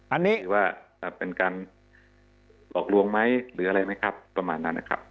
อันนี้ว่าเป็นการหลอกลวงไหมหรืออะไรไหมครับประมาณนั้นนะครับ